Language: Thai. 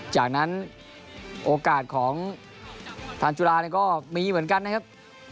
จากนั้นโอกาสของทานจุฬาก็มีเหมือนกันนะครับ